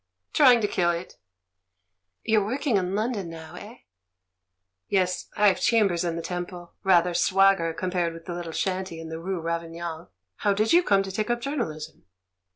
"Trying to kill it." "You're working in London now, eh?" "Yes, I've chambers in the Temple. Rather swagger compared with the little shanty in the rue Ravignan. How did you come to take up journalism?"